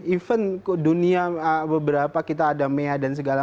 even dunia beberapa kita ada mea dan segala